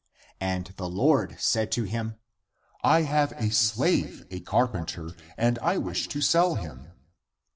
And the Lord said to him, " I have a slave a carpenter, and I wish to sell him."